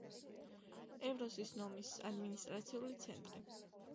ევროსის ნომის ადმინისტრაციული ცენტრი.